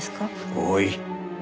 おい。